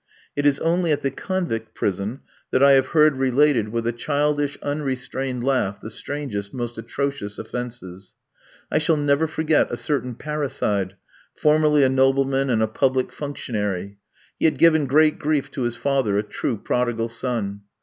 It is only at the convict prison that I have heard related, with a childish, unrestrained laugh, the strangest, most atrocious offences. I shall never forget a certain parricide, formerly a nobleman and a public functionary. He had given great grief to his father a true prodigal son.